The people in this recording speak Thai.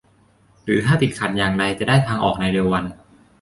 หรือถ้าติดขัดอย่างไรจะได้ทางออกในเร็ววัน